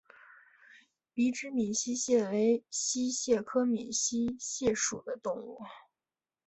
鼻肢闽溪蟹为溪蟹科闽溪蟹属的动物。